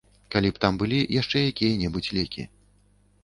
Калі б там былі яшчэ якія-небудзь лекі.